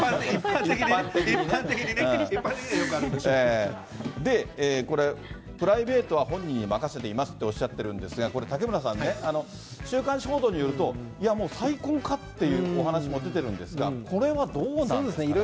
一般的にはよくで、これ、プライベートは本人に任せていますっておっしゃってるんですが、これ、竹村さんね、週刊誌報道によると、いやもう再婚かっていう、お話も出てるんでそうですね。